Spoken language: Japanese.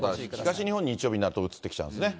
東日本、日曜日になると、移ってきちゃうんですね。